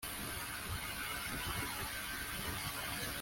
yari afite ubwoba bwo kubivuga